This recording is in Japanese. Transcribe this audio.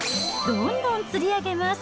どんどん釣り上げます。